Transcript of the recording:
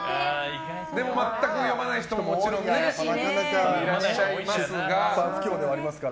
でも全く読まない人ももちろんいらっしゃいますが。